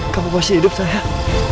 kamu pasti hidup sayang